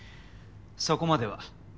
そこまでは。